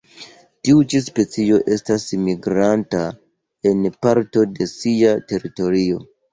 Tiu ĉi specio estas migranta en parto de sia teritorio.